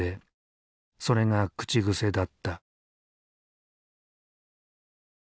それが口癖だった。